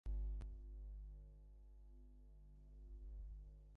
এখানে দাঁড়িয়েই কয়েকটা কথা জিজ্ঞেস করে চলে যাই।